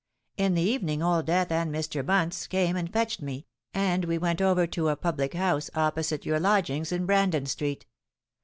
In the evening Old Death and Mr. Bunce came and fetched me, and we went over to a public house opposite your lodgings in Brandon Street.